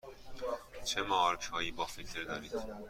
چه مارک هایی با فیلتر دارید؟